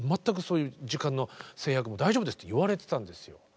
全くそういう時間の制約も大丈夫ですって言われてたんですよ。